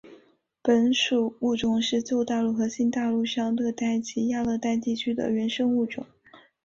本属物种是旧大陆和新大陆上热带及亚热带地区的原生物种。